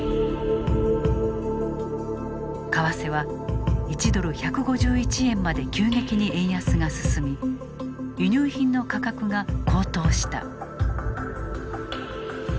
為替は１ドル＝１５１円まで急激に円安が進み輸入品の価格が高騰した。